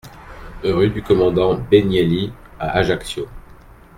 Rue du Commandant Benielli à Ajaccio